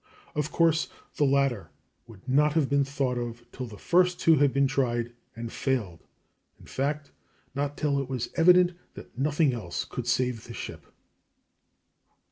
Of course the latter would not have been thought of till the first two had been tried and failed in fact, not till it was evident that nothing else could save the ship.